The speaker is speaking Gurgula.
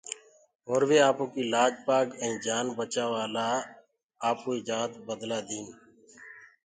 اورَ وي آپوڪيٚ لآج پآگ ائينٚ جآن بچآوآ لآ آپوئيٚ جآت بدلآ ديٚن۔